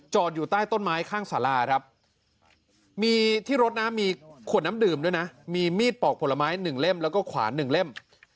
อยู่ใต้ต้นไม้ข้างสาราครับมีที่รถนะมีขวดน้ำดื่มด้วยนะมีมีดปอกผลไม้๑เล่มแล้วก็ขวาน๑เล่ม